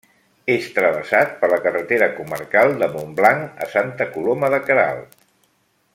És travessat per la carretera comarcal Montblanc a Santa Coloma de Queralt.